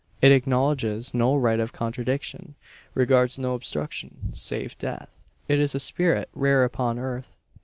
It acknowledges no right of contradiction regards no obstruction save death. It is a spirit rare upon earth.